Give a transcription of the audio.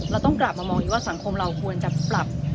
เราต้องกลับมามองอีกว่าสังคมเราควรจะปรับ